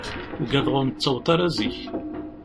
Ugadeɣ ur nettaweḍ ara zik.